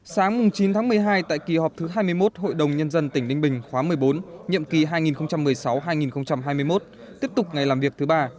sáng chín tháng một mươi hai tại kỳ họp thứ hai mươi một hội đồng nhân dân tỉnh ninh bình khóa một mươi bốn nhiệm kỳ hai nghìn một mươi sáu hai nghìn hai mươi một tiếp tục ngày làm việc thứ ba